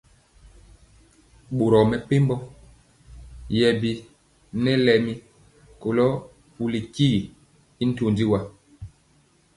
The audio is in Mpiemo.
Boro mɛ pɛmbɔ rori yɛɛ bi nɛ lɛmi kolo pulu tyigi y ntɔndi wa.